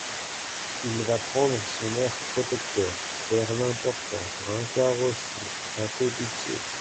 Il va prendre son air protecteur… faire l’important !… un carrossier ! ça fait pitié !